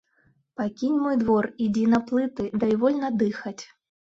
Пакінь мой двор, ідзі на плыты, дай вольна дыхаць.